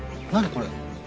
何これ。